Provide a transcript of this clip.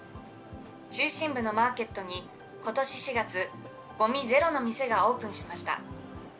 中心部のマーケットにことし４月、ごみゼロの店がオープンしました。